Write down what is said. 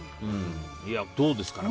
どうですかね？